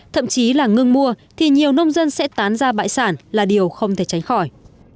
thậm chí là ngưng mua thì nhiều nông dân sẽ tán ra bãi sản là điều không thể tránh khỏi